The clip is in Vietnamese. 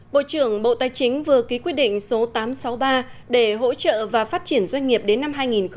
bộ trưởng bộ tài chính vừa ký quyết định số tám trăm sáu mươi ba để hỗ trợ và phát triển doanh nghiệp đến năm hai nghìn hai mươi